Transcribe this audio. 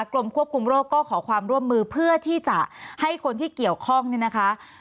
กรมควบคุมโรคก็ขอความร่วมมือเพื่อที่จะให้คนที่เกี่ยวข้องเนี่ยนะคะ